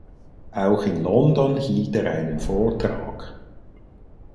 Auch in London hielt er einen Vortrag.